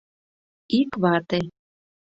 Ик вате.